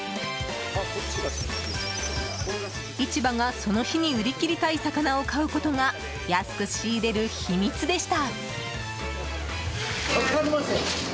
市場が、その日に売り切りたい魚を買うことが安く仕入れる秘密でした。